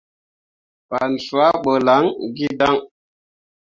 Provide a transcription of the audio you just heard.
Fah swal ɓo lan gǝdaŋ.